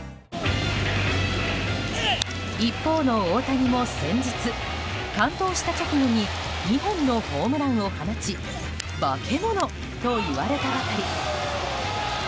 一方の大谷も先日、完投した直後に２本のホームランを放ち化け物と言われたばかり。